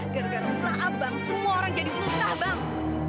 gara gara muka abang semua orang jadi susah bang